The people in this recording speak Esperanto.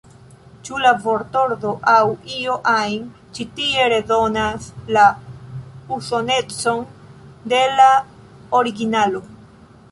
Ĉu la vortordo aŭ io ajn ĉi tie redonas la usonecon de la originalo?